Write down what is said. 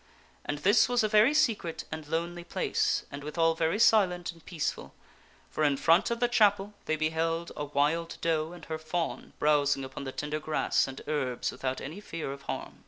And this was a very secret and lonely place and withal very silent and peaceful, for in front of the chapel they beheld a wild doe and her fawn browsing upon the tender grass and herbs without any fear of harm.